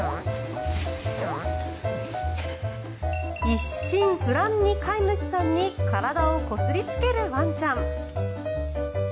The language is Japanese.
一心不乱に飼い主さんに体をこすりつけるワンちゃん。